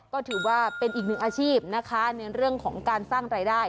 ก็ถือว่าเป็นอีกหนึ่งอาชีพนะคะในเรื่องของการสร้างรายได้